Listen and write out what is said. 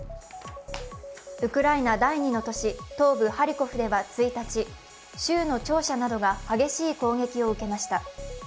ウクライナ第２の都市、東部ハリコフでは１日、州の庁舎などが激しい攻撃を受けました。